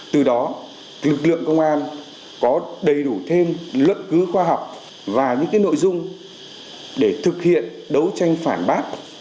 từ đó lực lượng công an có đầy đủ thêm luận cứu khoa học và những nội dung để thực hiện đấu tranh phản bác